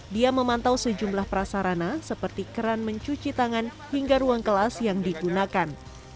dia memantau sejumlah prasarana seperti keran mencuci tangan hingga ruang kelas yang digunakan